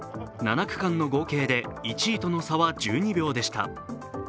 ７区間の合計で１位との差は１２秒でした。